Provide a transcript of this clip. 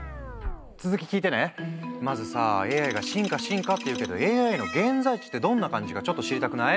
まずさＡＩが進化進化っていうけどＡＩの現在地ってどんな感じかちょっと知りたくない？